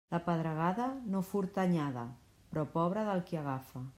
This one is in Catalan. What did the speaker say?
La pedregada no furta anyada, però pobre del qui agafa.